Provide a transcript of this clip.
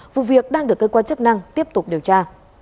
vụ việc đang được cơ quan chức năng tiếp tục điều tra